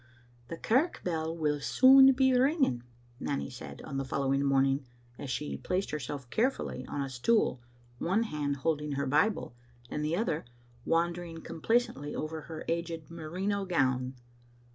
"The kirk bell will soon be ringing," Nanny said on the following morning, as she placed herself carefully on a stool, one hand holding her Bible and the other wandering complacently over her aged merino gown.